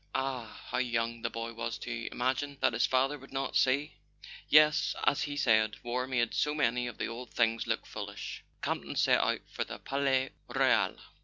Ah, how young the boy was to imagine that his father would not see! Yes, as he said, war made so many of the old things look foolish. .. Campton set out for the Palais Royal.